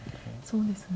そうですね。